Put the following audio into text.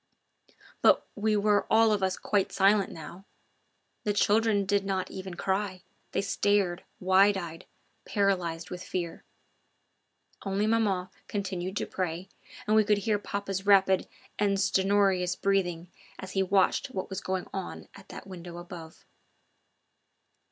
But we were all of us quite silent now. The children did not even cry; they stared, wide eyed, paralysed with fear. Only maman continued to pray, and we could hear papa's rapid and stertorous breathing as he watched what was going on at that window above.